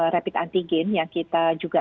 rapid antigen yang kita juga